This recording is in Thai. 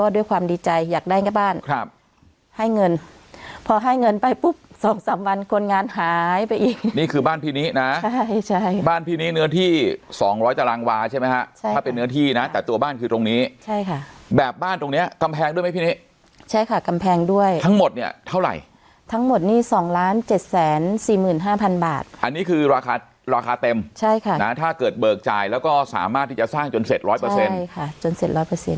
ด้วยความดีใจอยากได้แค่บ้านครับให้เงินพอให้เงินไปปุ๊บสองสามวันคนงานหายไปอีกนี่คือบ้านพี่นี้นะใช่ใช่บ้านพี่นี้เนื้อที่สองร้อยตารางวาใช่ไหมฮะใช่ค่ะถ้าเป็นเนื้อที่นะแต่ตัวบ้านคือตรงนี้ใช่ค่ะแบบบ้านตรงเนี้ยกำแพงด้วยไหมพี่นี้ใช่ค่ะกำแพงด้วยทั้งหมดเนี้ยเท่าไหร่ทั้งหมดนี่สองล้านเจ